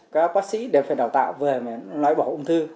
các bác sĩ đều phải đào tạo về loại bỏ ung thư